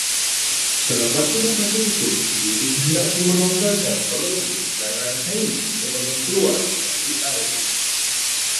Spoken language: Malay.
Selepas silap mata itu dia dikehendaki menanggalkan belenggu dan rantainya sebelum keluar dari air